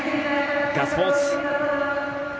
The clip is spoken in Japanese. ガッツポーズ！